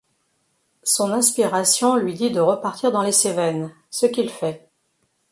Son inspiration lui dit de repartir dans les Cévennes, ce qu'il fait.